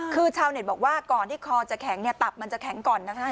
คือชาวเน็ตบอกว่าก่อนที่คอจะแข็งเนี่ยตับมันจะแข็งก่อนนะคะ